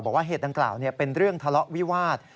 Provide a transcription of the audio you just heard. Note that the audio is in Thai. บอกว่าเหตุดังกล่าวเป็นเรื่องทะเลาะวิวาส